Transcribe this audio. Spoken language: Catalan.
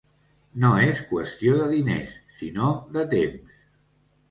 No és qüestió de diners, sinó de temps.